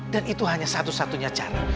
dan itu hanya satu satunya cara